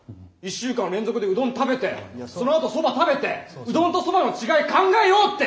１週間連続でうどん食べてそのあとそば食べてうどんとそばの違い考えようって！